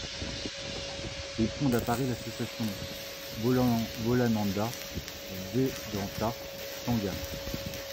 Il fonde à Paris l'association Bholananda Vedanta Sangha.